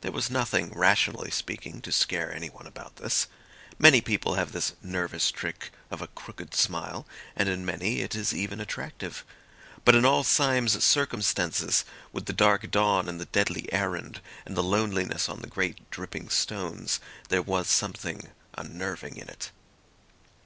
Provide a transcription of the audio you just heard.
There was nothing, rationally speaking, to scare anyone about this. Many people have this nervous trick of a crooked smile, and in many it is even attractive. But in all Syme's circumstances, with the dark dawn and the deadly errand and the loneliness on the great dripping stones, there was something unnerving in it.